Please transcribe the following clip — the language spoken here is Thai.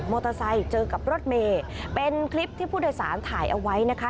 เตอร์ไซค์เจอกับรถเมย์เป็นคลิปที่ผู้โดยสารถ่ายเอาไว้นะคะ